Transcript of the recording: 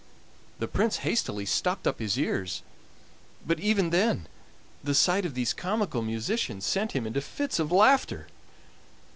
The Prince hastily stopped up his ears, but even then the sight of these comical musicians sent him into fits of laughter.